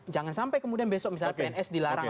jangan sampai kemudian besok misalnya pns dilarang